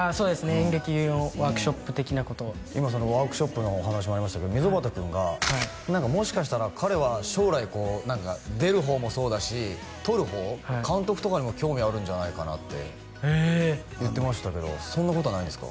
演劇をワークショップ的なことを今そのワークショップのお話もありましたけど溝端君が何かもしかしたら彼は将来こう何か出る方もそうだし撮る方監督とかにも興味あるんじゃないかなってえっ言ってましたけどそんなことはないんですか？